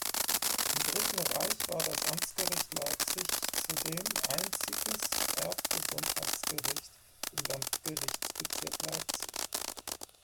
Im Dritten Reich war das Amtsgericht Leipzig zudem einziges Erbgesundheitsgericht im Landgerichtsbezirk Leipzig.